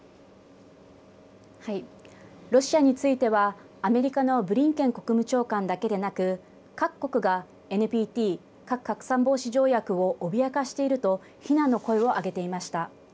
ロシアについてはアメリカのブリンケン国務長官だけでなく各国がＮＰＴ＝核拡散防止条約をおびやかしていると非難の声を上げていました。